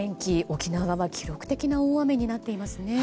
沖縄は記録的な大雨になっていますね。